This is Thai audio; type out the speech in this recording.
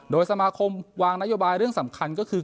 โดยสมาคมวางนโยบายเรื่องสำคัญก็คือ